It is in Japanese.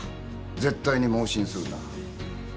絶対に妄信するな。